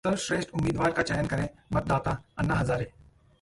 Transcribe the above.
सर्वश्रेष्ठ उम्मीदवार का चयन करें मतदाता: अन्ना हजारे